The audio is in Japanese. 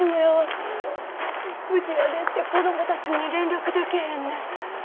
無事やでって子供たちに連絡でけへんね。